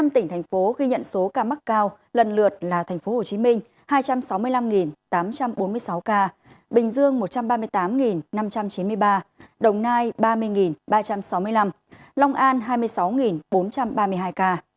năm tỉnh thành phố ghi nhận số ca mắc cao lần lượt là tp hcm hai trăm sáu mươi năm tám trăm bốn mươi sáu ca bình dương một trăm ba mươi tám năm trăm chín mươi ba đồng nai ba mươi ba trăm sáu mươi năm long an hai mươi sáu bốn trăm ba mươi hai ca